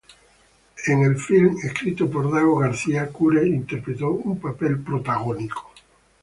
En el filme, escrito por Dago García, Cure interpretó un papel protagónico.